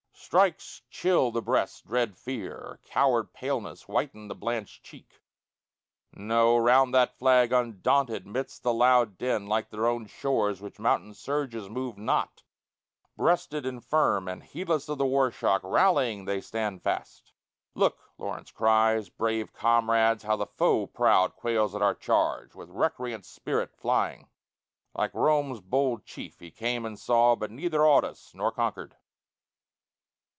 Strikes chill the breast dread fear? or coward paleness Whiten the blanch'd cheek? No! round that flag, undaunted, midst the loud din, Like their own shores, which mountain surges move not Breasted and firm, and heedless of the war shock, Rallying they stand fast. "Look," Lawrence cries, "brave comrades; how the foe proud Quails at our charge, with recreant spirit flying:" Like Rome's bold chief, he came and saw, but neither Awed us, nor conquer'd.